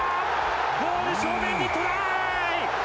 ゴール正面にトライ。